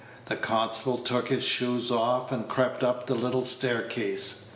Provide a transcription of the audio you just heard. The constable took his shoes off, and crept up the little staircase.